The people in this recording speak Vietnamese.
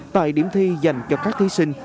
tại điểm thi dành cho các thi sinh